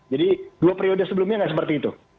jadi dua periode sebelumnya enggak seperti itu